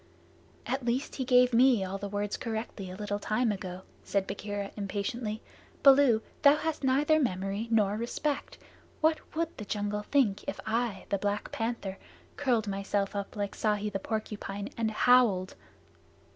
"At least he gave me all the Words correctly a little time ago," said Bagheera impatiently. "Baloo, thou hast neither memory nor respect. What would the jungle think if I, the Black Panther, curled myself up like Ikki the Porcupine, and howled?"